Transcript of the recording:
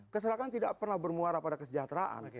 kecelakaan tidak pernah bermuara pada kesejahteraan